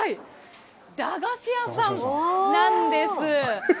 駄菓子屋さんなんです。